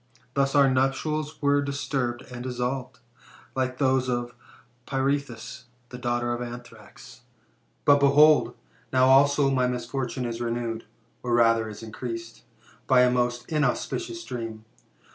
Thus our nuptials were disturbed and dissolved, like those of Pirithous and the daughter of Athrax.^ "But, behold! now also my misfortune is renewed, or rather is increased, by a most inauspicious dream.